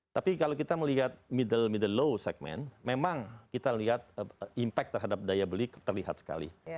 tapi kalau kita melihat middle middle low segmen memang kita lihat impact terhadap daya beli terlihat sekali